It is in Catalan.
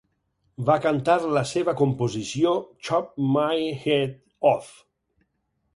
Va cantar la seva composició Chop My Head Off.